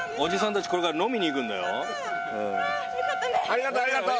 ありがとうありがとう。